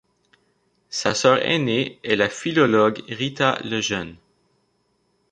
Sa sœur aînée est la philologue Rita Lejeune.